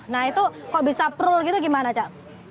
nah itu kok bisa prul gitu gimana cak